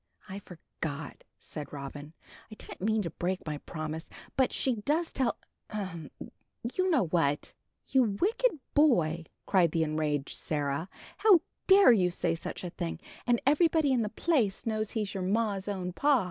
"I forgot," said Robin, "I didn't mean to break my promise. But she does tell ahem! you know what." "You wicked boy!" cried the enraged Sarah; "how dare you say such a thing, and everybody in the place knows he's your ma's own pa."